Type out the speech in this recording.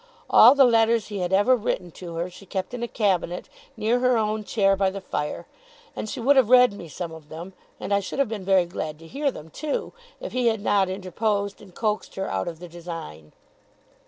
All the letters he had ever written to her, she kept in a cabinet near her own chair by the fire; and she would have read me some of them, and I should have been very glad to hear them too, if he had not interposed, and coaxed her out of the design.